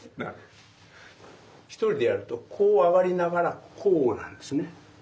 １人でやるとこう上がりながらこうなんですね。